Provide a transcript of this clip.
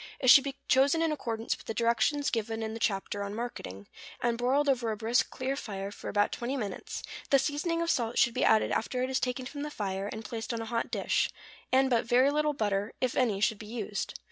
It should be chosen in accordance with the directions given in the chapter on marketing, and broiled over a brisk, clear fire for about twenty minutes; the seasoning of salt should be added after it is taken from the fire, and placed on a hot dish; and but very little butter, if any, should be used.